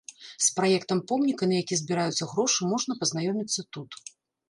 З праектам помніка, на які збіраюцца грошы, можна пазнаёміцца тут.